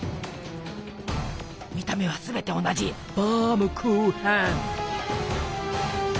見た目はすべて同じバームクーヘン。